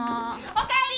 おかえり！